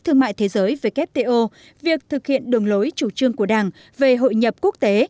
thương mại thế giới wto việc thực hiện đường lối chủ trương của đảng về hội nhập quốc tế